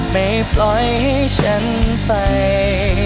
ไม่ปล่อยให้ฉันไป